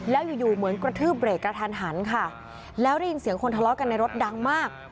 แล้วอยู่อยู่เหมือนกระทืบเบรกกระทันหันค่ะแล้วได้ยินเสียงคนทะเลาะกันในรถดังมาก